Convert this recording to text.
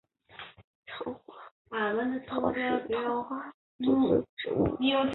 长花蒲桃是桃金娘科蒲桃属的植物。